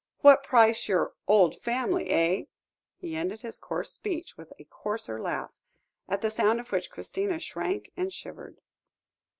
What price your 'old family,' eh?" He ended his coarse speech with a coarser laugh, at the sound of which Christina shrank and shivered.